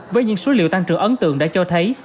với những số liệu tăng trưởng ấn tượng đã cho thấy